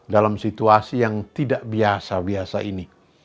dalam situasi yang tidak biasa biasa ini